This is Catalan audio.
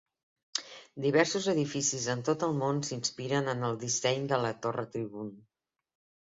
Diversos edificis en tot el món s'inspiren en el disseny de la torre Tribune.